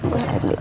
gue sarap dulu